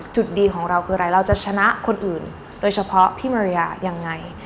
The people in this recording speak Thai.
จุดดีของเราคืออะไรเราจะชนะคนอื่นโดยเฉพาะพี่มาริยายังไง